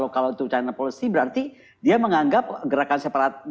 kalau itu china policy berarti dia menganggap gerakan separatis